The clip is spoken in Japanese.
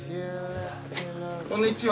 こんにちは。